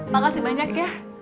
makasih banyak ya